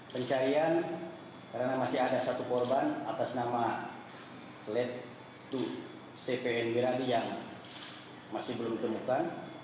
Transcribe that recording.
pencarian karena masih ada satu korban atas nama led dua cpn wiradi yang masih belum ditemukan